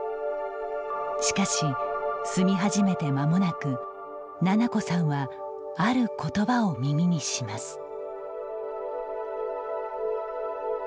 しかし、住み始めてまもなく菜々子さんはある言葉を耳にします。